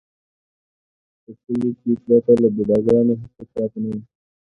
خو په کلي کې پرته له بوډا ګانو هېڅوک پاتې نه و.